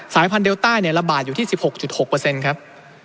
สายพันธุเดลต้าระบาดอยู่ที่๑๖๖ครับ